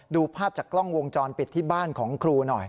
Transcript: ดูภาพจากกล้องวงจรปิดที่บ้านของครูหน่อย